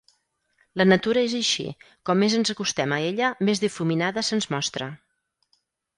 La natura és així, com més ens acostem a ella més difuminada se'ns mostra.